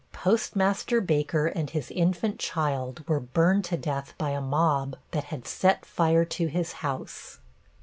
Postmaster Baker and his infant child were burned to death by a mob that had set fire to his house.